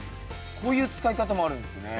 こういう使い方もあるんですね。